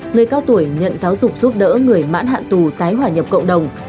người cao tuổi nhận giáo dục giúp đỡ người mãn hạn tù tái hòa nhập cộng đồng